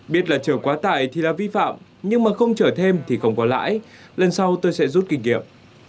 biết là chở quá tải thì là vi phạm nhưng mà không chở thêm thì không có lãi lần sau tôi sẽ rút kinh nghiệm